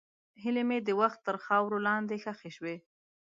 هیلې مې د وخت تر خاورو لاندې ښخې شوې.